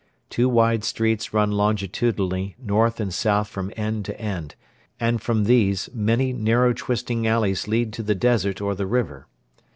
Two wide streets run longitudinally north and south from end to end, and from these many narrow twisting alleys lead to the desert or the river.